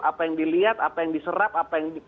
apa yang dilihat apa yang diserap apa yang